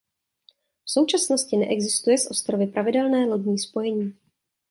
V současnosti neexistuje s ostrovy pravidelné lodní spojení.